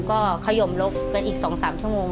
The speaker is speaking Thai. ก็ขยมลบเกินอีก๒๓ชั่วโมง